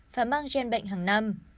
và mang gen bệnh hàng năm